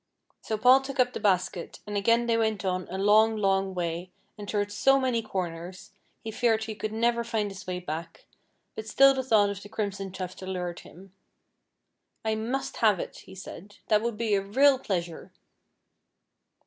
So Paul took up the basket, and again they went on a long, long way, and turned so many corners, he feared he could never find his way back, but still the thought of the crimson tuft allured him. "I must have it," he said; "that would be a real pleasure."